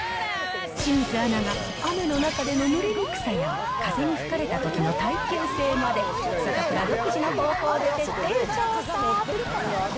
清水アナが雨の中でのぬれにくさや風に吹かれたときの耐久性まで、サタプラ独自の方法で徹底調査。